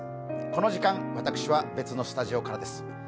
この時間、私は別のスタジオからです。